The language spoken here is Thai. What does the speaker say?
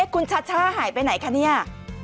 คุณชัชช่าหายไปไหนคะเนี่ย